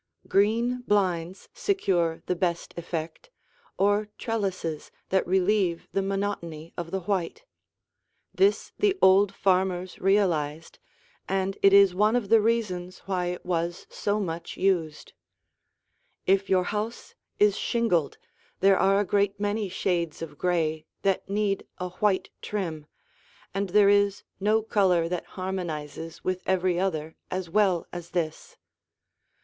Green blinds secure the best effect, or trellises that relieve the monotony of the white. This the old farmers realized, and it is one of the reasons why it was so much used. If your house is shingled, there are a great many shades of gray that need a white trim, and there is no color that harmonizes with every other as well as this.